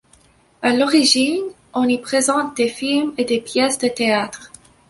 À l'origine, on y présente des films et des pièces de théâtre.